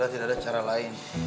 tidak ada cara lain